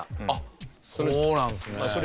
あっそうなんですね。